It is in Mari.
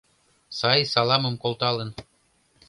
Сай саламым колталын.